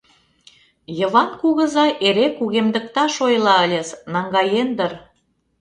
Йыван кугызай эре кугемдыкташ ойла ыльыс, наҥгаен дыр.